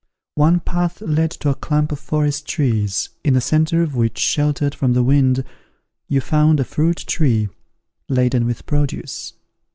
One path led to a clump of forest trees, in the centre of which sheltered from the wind, you found a fruit tree, laden with produce.